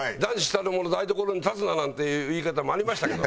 なんていう言い方もありましたけど。